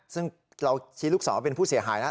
ซึ่งเราชี้ลูกศรเป็นผู้เสียหายแล้ว